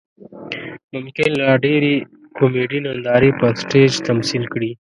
ممکن لا ډېرې کومیډي نندارې پر سټیج تمثیل کړي.